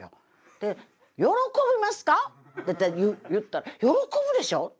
で「喜びますか？」って言ったら「喜ぶでしょう」って。